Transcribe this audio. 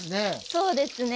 そうですね。